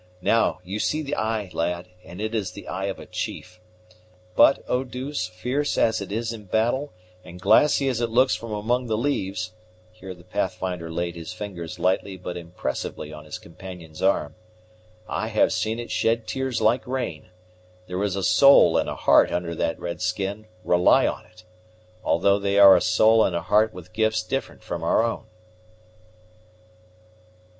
Now, you see the eye, lad, and it is the eye of a chief. But, Eau douce, fierce as it is in battle, and glassy as it looks from among the leaves," here the Pathfinder laid his fingers lightly but impressively on his companion's arm, "I have seen it shed tears like rain. There is a soul and a heart under that red skin, rely on it; although they are a soul and a heart with gifts different from our own."